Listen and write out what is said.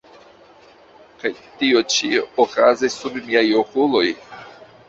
Kaj tio ĉi okazis sub miaj okuloj?